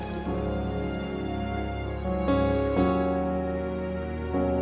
อันนี้จะมาเก่งแค่๕๕๐๐กิโลเฟต